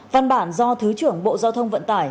văn bản do thứ trưởng bộ giao thông vận tải